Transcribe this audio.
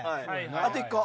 あと１個。